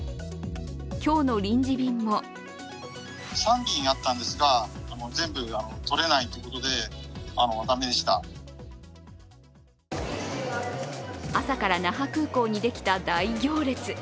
今日の臨時便も朝から那覇空港にできた大行列。